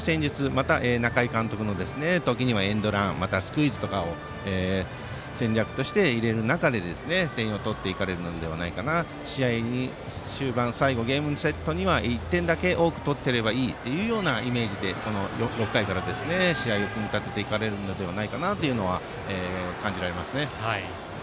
また中井監督の時にはエンドランまたスクイズなどを戦略として入れながら点を取っていって最後のゲームセットには１点だけ多く取っていればいいというイメージで６回から試合を組み立てていかれるのではないかなとは感じられます。